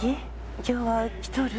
今日は来とる？